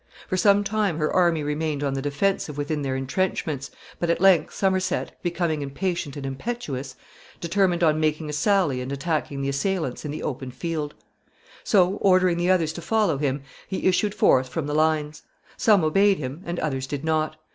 For some time her army remained on the defensive within their intrenchments, but at length Somerset, becoming impatient and impetuous, determined on making a sally and attacking the assailants in the open field. [Sidenote: Somerset.] So, ordering the others to follow him, he issued forth from the lines. Some obeyed him, and others did not.